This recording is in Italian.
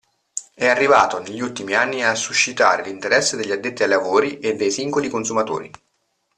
È arrivato negli ultimi anni a suscitare l'interesse degli addetti ai lavori e dei singoli consumatori.